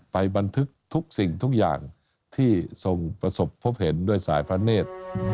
บันทึกทุกสิ่งทุกอย่างที่ทรงประสบพบเห็นด้วยสายพระเนธ